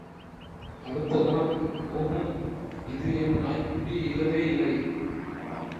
அடுத்த கணம், ஊஹூம், இது என் நாய்க்குட்டி இல்லவே இல்லை!